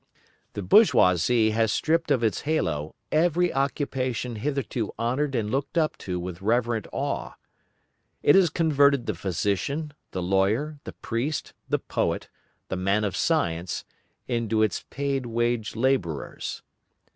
The bourgeoisie has stripped of its halo every occupation hitherto honoured and looked up to with reverent awe. It has converted the physician, the lawyer, the priest, the poet, the man of science, into its paid wage labourers.